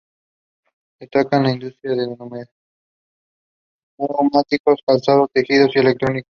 Destacan la industria de neumáticos, calzado, tejidos y electrónica.